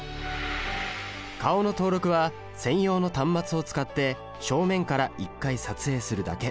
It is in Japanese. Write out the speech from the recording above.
顔の登録は専用の端末を使って正面から一回撮影するだけ。